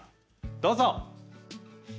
どうぞ！